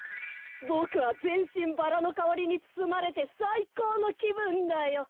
ボクはぜんしんバラのかおりにつつまれてさいこうのきぶんだよ。